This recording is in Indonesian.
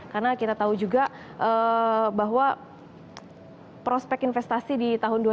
karena kita tahu juga bahwa prospek investasi di indonesia